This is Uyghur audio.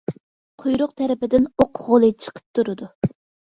قۇيرۇق تەرىپىدىن ئوق غولى چىقىپ تۇرىدۇ.